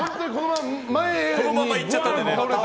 このまま倒れちゃったんでね。